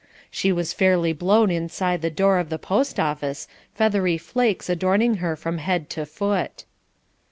She was fairly blown inside the door of the post office, feathery flakes adorning her from head to foot.